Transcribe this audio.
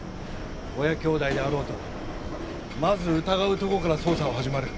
親兄弟であろうとまず疑うとこから捜査は始まる。